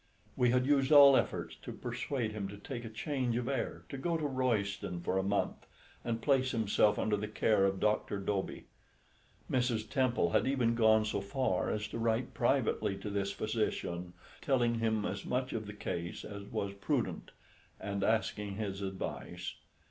We had used all efforts to persuade him to take a change of air to go to Royston for a month, and place himself under the care of Dr. Dobie. Mrs. Temple had even gone so far as to write privately to this physician, telling him as much of the case as was prudent, and asking his advice.